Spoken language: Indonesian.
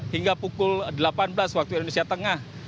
hingga pukul delapan belas waktu indonesia tengah